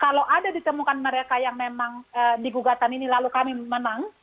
kalau ada ditemukan mereka yang memang di gugatan ini lalu kami menang